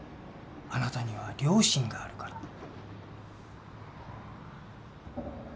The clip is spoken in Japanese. あなたには良心があるから。